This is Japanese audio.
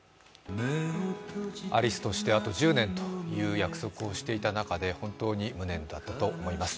アリスとしてあと１０年という約束をしていた中で本当に無念だったと思います。